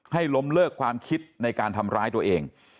ให้ล้มเลิกความคิดในการทำร้ายตัวเอง